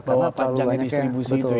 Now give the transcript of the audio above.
bahwa panjangnya distribusi itu ya